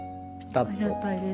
ありがたいです。